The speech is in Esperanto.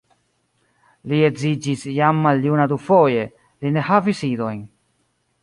Li edziĝis jam maljuna dufoje, li ne havis idojn.